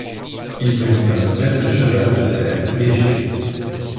Il présente un modèle de cheval de selle léger.